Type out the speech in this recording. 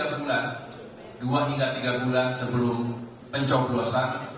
tiga bulan dua hingga tiga bulan sebelum pencoblosan